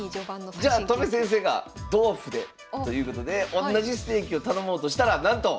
じゃあ戸辺先生が「同歩で」ということでおんなじステーキを頼もうとしたらなんと！